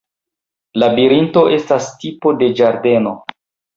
Labirinto estas tipo de ĝardeno.